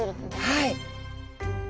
はい。